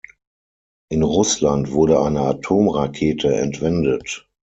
In Russland wurde eine Atomrakete entwendet.